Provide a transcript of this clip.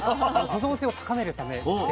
保存性を高めるためでして。